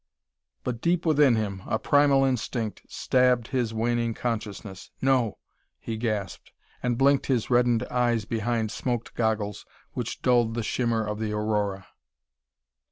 But deep within him, a primal instinct stabbed his waning consciousness. "No," he gasped, and blinked his reddened eyes behind smoked goggles which dulled the shimmer of the aurora.